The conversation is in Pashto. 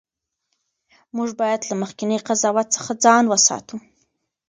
موږ باید له مخکني قضاوت څخه ځان وساتو.